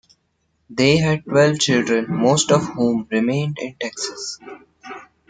They had twelve children, most of whom remained in Texas.